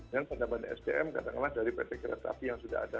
dan tambahan sdm kadang lah dari pt kereta api yang sudah ada